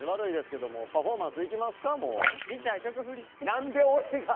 何で俺が？